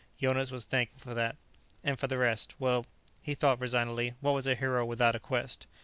Jonas was thankful for that. And for the rest well, he thought resignedly, what was a hero without a quest?